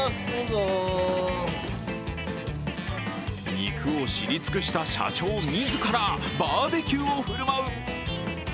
肉を知り尽くした社長自らバーベキューを振る舞う。